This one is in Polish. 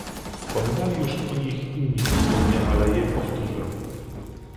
Wspominali już o nich inni posłowie, ale je powtórzę